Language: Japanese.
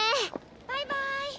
バイバイ！